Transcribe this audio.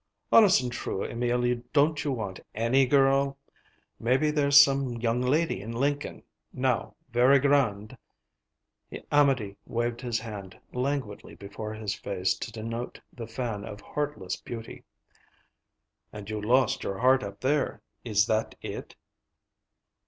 "Honest and true, Emil, don't you want ANY girl? Maybe there's some young lady in Lincoln, now, very grand,"—Amédée waved his hand languidly before his face to denote the fan of heartless beauty,—"and you lost your heart up there. Is that it?"